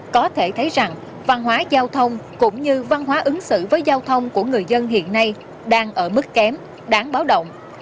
có thể thấy rằng văn hóa giao thông cũng như văn hóa ứng xử với giao thông của người dân hiện nay đang ở mức kém đáng báo động